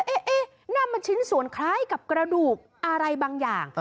เอ๊ะนำมาชิ้นส่วนคล้ายกับกระดูกอะไรบางอย่าง